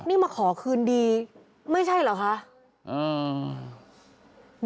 นี่มาขอคืนดีไม่ใช่เหรอคะ